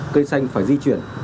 cây xanh phải di chuyển